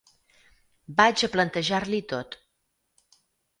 Vaig a plantejar-li tot.